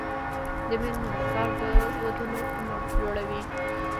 د میرمنو کار د ودونو عمر لوړوي.